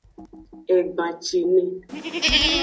Egbancine.